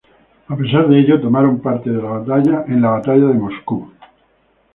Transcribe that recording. A pesar de ello, tomaron parte en la Batalla de Moscú.